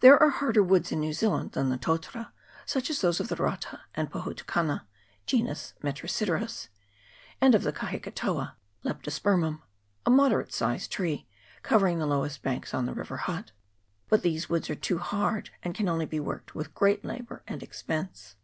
There are harder woods in New Zealand than the totara, such as those of the rata and pohutukana (gen. Metro sideros), and of the kahikatoa (Leptospermum), a moderate sized tree, covering the lowest banks on the river Hutt ; but these woods are too hard, and can only be worked with great labour and expense.